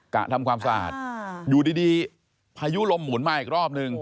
กะทำความสะอาดอยู่ดีพายุลมหมุนมาอีกรอบนึง